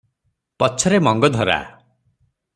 ପଛରେ ମଙ୍ଗଧରା ।